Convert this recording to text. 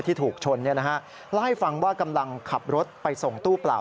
ที่ถูกชนเล่าให้ฟังว่ากำลังขับรถไปส่งตู้เปล่า